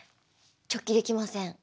直帰できません。